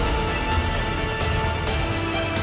kisah perjalanan wartawan indonesia ke luar negeri